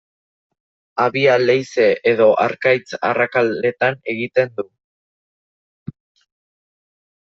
Habia leize edo harkaitz-arrakaletan egiten du.